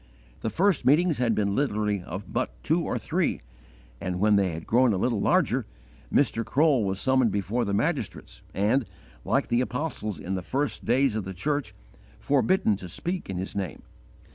The first meetings had been literally of but two or three, and, when they had grown a little larger, Mr. Kroll was summoned before the magistrates and, like the apostles in the first days of the church, forbidden to speak in His name.